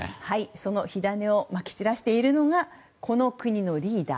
その火種をまき散らしているのがこの国のリーダー